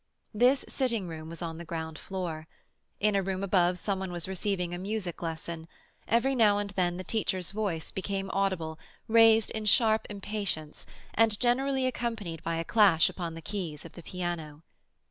This sitting room was on the ground floor. In a room above some one was receiving a music lesson; every now and then the teacher's voice became audible, raised in sharp impatience, and generally accompanied by a clash upon the keys of the piano.